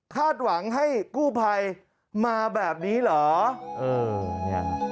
หวังให้กู้ภัยมาแบบนี้เหรอ